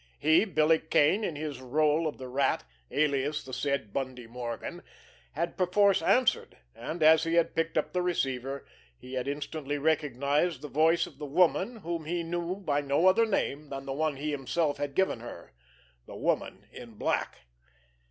He, Billy Kane, in his rôle of the Rat, alias the said Bundy Morgan, had perforce answered, and, as he had picked up the receiver, he had instantly recognized the voice of the woman whom he knew by no other name than the one he himself had given her—the Woman in Black.